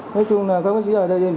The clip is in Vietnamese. nói chung là các bác sĩ ở đây